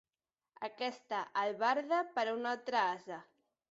Aquesta albarda per a un altre ase.